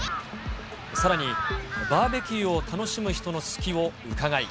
さらにバーベキューを楽しむ人の隙をうかがい。